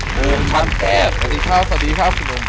มูให้สุดกับหมู่คันเทศ